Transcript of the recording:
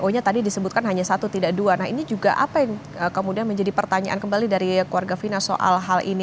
karena tadi disebutkan hanya satu tidak dua nah ini juga apa yang kemudian menjadi pertanyaan kembali dari keluarga vina soal hal ini